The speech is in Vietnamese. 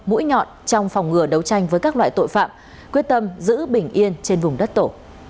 mũi nhọn trong phòng ngừa đấu tranh với các loại tội phạm quyết tâm giữ bình yên trên vùng đất tổ